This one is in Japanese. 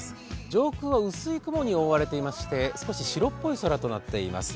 上空は薄い雲に覆われていまして少し白っぽい空になっています。